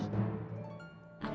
aku harus mencari